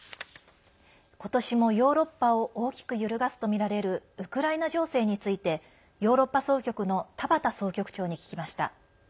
今年もヨーロッパを大きく揺るがすとみられるウクライナ情勢についてヨーロッパ総局の田端総局長に聞きました。